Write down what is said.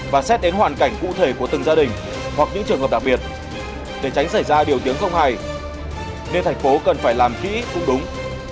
và xét đến hoàn cảnh cụ thể của từng gia đình hoặc những trường hợp đặc biệt để tránh xảy ra điều tiếng không hay nên thành phố cần phải làm kỹ cũng đúng